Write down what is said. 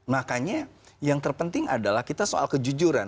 makanya yang terpenting adalah kita soal kejujuran